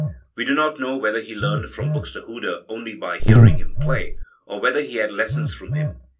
We do not know whether he learned from Buxtehude only by hearing him play, or whether he had lessons from him.